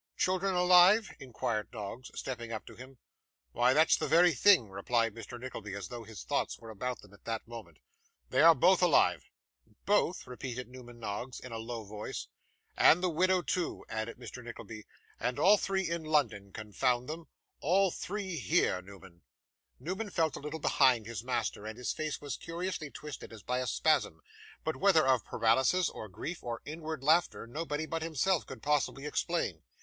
'Children alive?' inquired Noggs, stepping up to him. 'Why, that's the very thing,' replied Mr. Nickleby, as though his thoughts were about them at that moment. 'They are both alive.' 'Both!' repeated Newman Noggs, in a low voice. 'And the widow, too,' added Mr. Nickleby, 'and all three in London, confound them; all three here, Newman.' Newman fell a little behind his master, and his face was curiously twisted as by a spasm; but whether of paralysis, or grief, or inward laughter, nobody but himself could possibly explain.